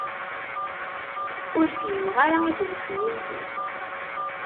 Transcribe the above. Ur fhimeɣ ara idles-nni-nsen.